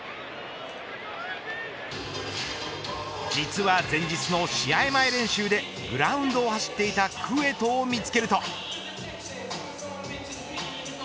実は、前日の試合前練習でグラウンドを走っていたクエトを見つけると。